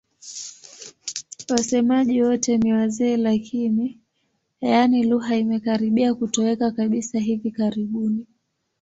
Wasemaji wote ni wazee lakini, yaani lugha imekaribia kutoweka kabisa hivi karibuni.